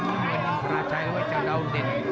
เป็นพระราชัยไว้เจ้าเดาเด่น